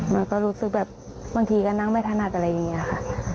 มันก็รู้สึกแบบบางทีก็นั่งไม่ถนัดอะไรอย่างนี้ค่ะ